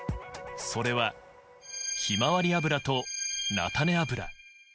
それはヒマワリ油と菜種油。